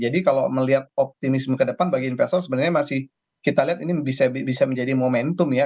jadi kalau melihat optimisme kedepan bagi investor sebenarnya masih kita lihat ini bisa menjadi momentum ya